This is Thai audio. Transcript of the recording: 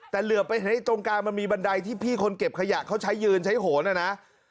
แต่เหลือไปตรงกลางมันมีบันไดที่พี่คนเก็บขยะเขาใช้ยืนใช้โหนนะนะ